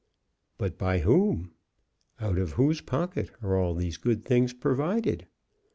But by whom; out of whose pocket are all these good things provided?